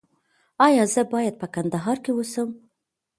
ایا زه باید په کندهار کې اوسم؟